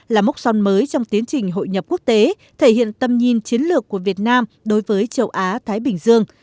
là mốc son mới trong tiến trình hội nhập quốc tế thể hiện tầm nhìn chiến lược của việt nam đối với châu á thái bình dương